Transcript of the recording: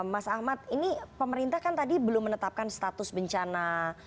mas ahmad ini pemerintah kan tadi belum menetapkan status bencana